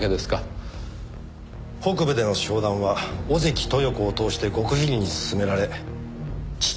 北部での商談は小関豊子を通して極秘裏に進められ地